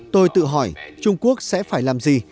tôi tự hỏi trung quốc sẽ phải làm gì